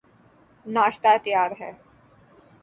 ناشتہ تیار ہے